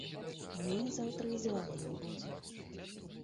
А мяне заўтра і звання не будзе.